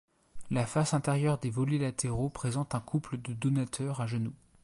La face intérieure des volets latéraux présente un couple de donateurs à genoux.